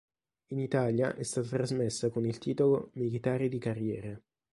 In Italia è stata trasmessa con il titolo "Militari di carriera".